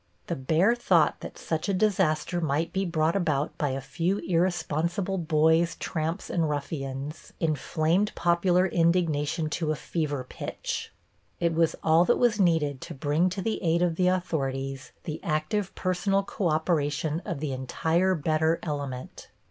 The bare thought that such a disaster might be brought about by a few irresponsible boys, tramps and ruffians, inflamed popular indignation to fever pitch. It was all that was needed to bring to the aid of the authorities the active personal cooperation of the entire better element.